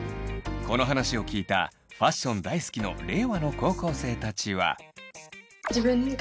この話を聞いたファッション大好きの令和の高校生たちは。